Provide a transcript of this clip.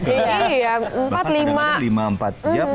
bapak kadang kadang lima empat jam